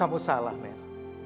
kamu salah mer